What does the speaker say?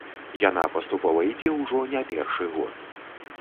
Яна паступова ідзе ўжо не першы год.